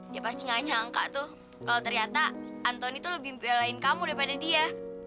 ya pasti gak nyangka tuh kalau ternyata antoni tuh lebih belain kamu daripada dia